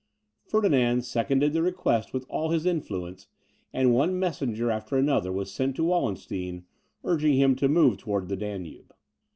Ferdinand seconded the request with all his influence, and one messenger after another was sent to Wallenstein, urging him to move towards the Danube.